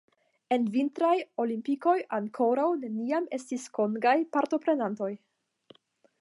En vintraj olimpikoj ankoraŭ neniam estis kongaj partoprenantoj.